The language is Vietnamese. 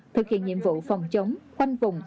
thực hiện nhiệm vụ phòng chống khoanh vùng